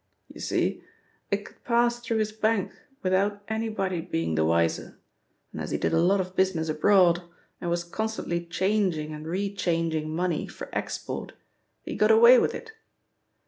You sec, it could pass through his bank without anybody being the wiser, and as he did a lot of business abroad and was constantly changing and re changing money for export, he got away with it.